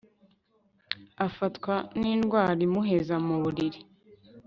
afatwa n'indwara imuheza mu buriri